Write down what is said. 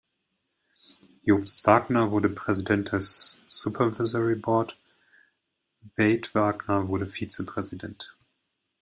Jobst Wagner wurde Präsident des Supervisory Board, Veit Wagner wurde Vizepräsident.